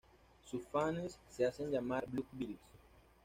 Sus fanes se hacen llamar Blue Bells.